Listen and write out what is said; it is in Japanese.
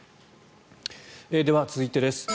では、続いてです。